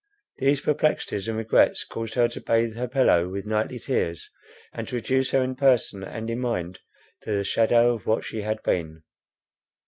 These perplexities and regrets caused her to bathe her pillow with nightly tears, and to reduce her in person and in mind to the shadow of what she had been.